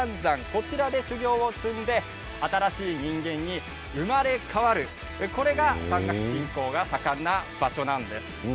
こちらで修行を積んで新しい人間に生まれ変わるこれが山岳信仰が盛んな場所なんです。